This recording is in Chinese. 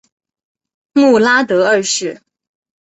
穆拉德二世。